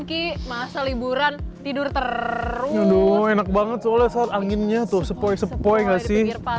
ki masa liburan tidur terus enak banget soalnya saat anginnya tuh sepoi sepoi gak sih